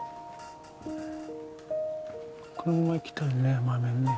このまま行きたいよね